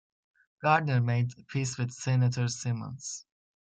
Gardner made peace with Senator Simmons.